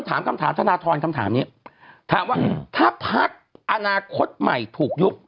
ถามคำถามธนทรคำถามนี้ถามว่าถ้าพักอนาคตใหม่ถูกยุบ